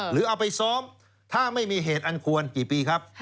หรือเอาไปซ้อมถ้าไม่มีเหตุอันควรกี่ปีครับ